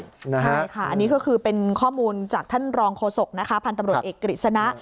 ใช่ค่ะอันนี้ก็คือเป็นข้อมูลจากท่านรองโฆษกนะคะพันธุ์ตำรวจเอกกฤษณะ